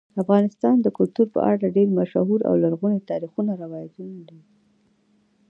افغانستان د کلتور په اړه ډېر مشهور او لرغوني تاریخی روایتونه لري.